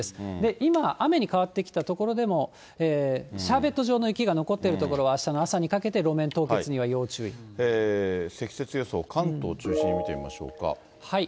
今雨に変わってきた所でも、シャーベット状の雪が残っている所は、あしたの朝にかけて路面凍積雪予想、関東中心に見ていきましょうか。